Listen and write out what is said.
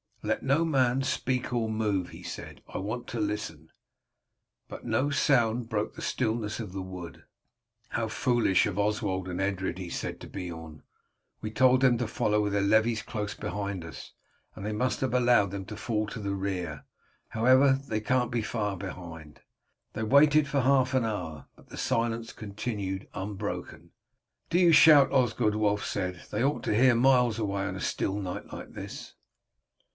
"Let no man speak or move," he said, "I want to listen." But no sound broke the stillness of the wood. "How foolish of Oswald and Edred," he said to Beorn. "We told them to follow with their levies close behind us, and they must have allowed them to fall to the rear. However, they can't be far behind." They waited for half an hour, but the silence continued unbroken. "Do you shout, Osgod," Wulf said; "they ought to hear miles away on a still night like this."